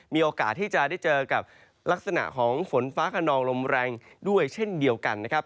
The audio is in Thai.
มีโอกาสที่จะได้เจอกับลักษณะของฝนฟ้าขนองลมแรงด้วยเช่นเดียวกันนะครับ